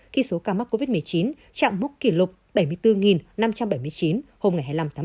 khi số ca mắc covid một mươi chín chạm múc kỷ lục bảy mươi bốn năm trăm bảy mươi chín hôm hai mươi năm tháng một mươi một